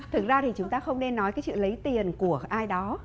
thực ra thì chúng ta không nên nói cái chuyện lấy tiền của ai đó